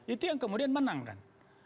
itu yang kemudian menang kan